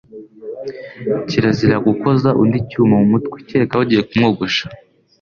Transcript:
Kirazira gukoza undi icyuma mu mutwe, kereka bagiye kumwogosha,